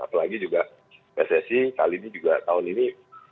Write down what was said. apalagi juga pssi kali ini juga tahun ini